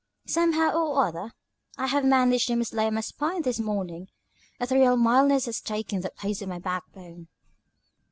"Somehow or other I have managed to mislay my spine this morning. Ethereal mildness has taken the place of my backbone."